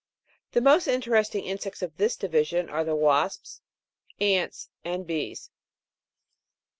The most interesting insects of this division are the wasps, ants, and bees.